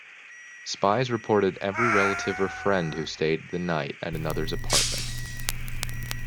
Spies reported every relative or friend who stayed the night at another's apartment.